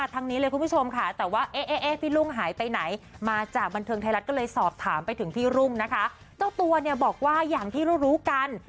เจ้าตัวเนี่ยอ่ะอย่างที่รู้รู้กัน